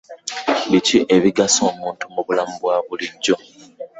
Biki ebigasa omuntu mu bulamu obwa bulijjo?